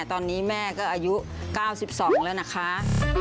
ตอนนี้แม่ก็อายุ๙๒แล้วนะคะ